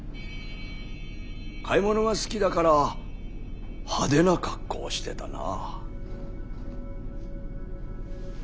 買い物が好きだから派手な格好をしてたな。